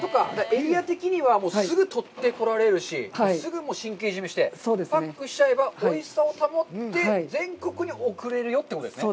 エリア的には、すぐ取ってこられるし、すぐ神経締めして、パックにしちゃえば、おいしさを保って、全国に送れるよということですね。